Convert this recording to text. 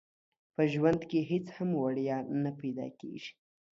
په ژوند کې هيڅ هم وړيا نه پيدا کيږي.